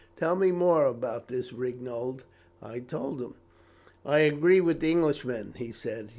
Tell me more about this, Rignold.' "I told him. "'I agree with the Englishman,' he said.